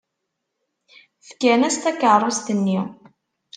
Fkan-as takeṛṛust-nni.